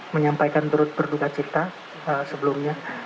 menyampaikan turut berduka cita sebelumnya